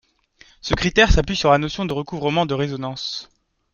Ce critère s'appuie sur la notion de recouvrement de résonances